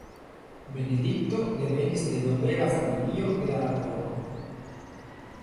Benedikto devenis de nobela familio de Aragono.